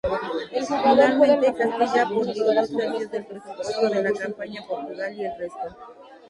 Finalmente, Castilla aportó dos tercios del presupuesto de la campaña y Portugal, el resto.